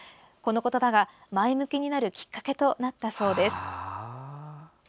この言葉が、前向きになるきっかけとなったそうです。